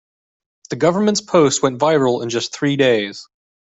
The government's post went viral in just three days.